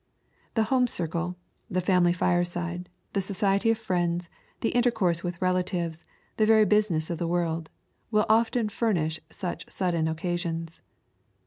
The home circle, the family fireside, the society of friends, the intercourse with relatives, the very business of the world, will often furnish such sudden occasions.